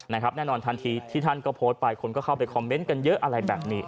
แน่นอนทันทีที่ท่านก็โพสต์ไปคนก็เข้าไปคอมเมนต์กันเยอะอะไรแบบนี้